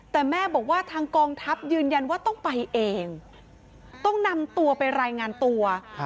แต่แม่บอกว่าทางกองทัพยืนยันว่าต้องไปเองต้องนำตัวไปรายงานตัว